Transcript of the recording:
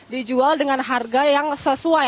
dijual dengan harga yang sesuai